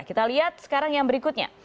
kita lihat sekarang yang berikutnya